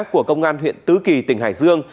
của công an huyện tứ kỳ tỉnh hải dương